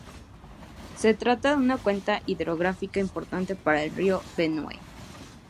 Se trata de una cuenca hidrográfica importante para el río Benue.